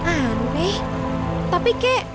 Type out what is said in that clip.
aneh tapi kakek